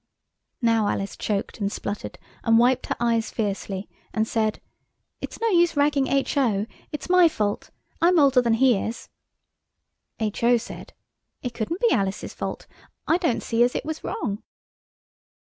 Now Alice choked and spluttered, and wiped her eyes fiercely, and said, "It's no use ragging H.O. It's my fault. I'm older than he is." H.O. said, "It couldn't be Alice's fault. I don't see as it was wrong."